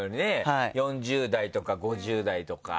４０代とか５０代とか。